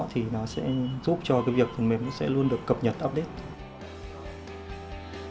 thì nó sẽ giúp cho việc phần mềm luôn được cập nhật update